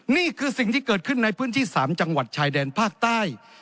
นี่คือสิ่งที่เกิดขึ้นในพื้นที่๓จังหวัดชายแดนภาคใต้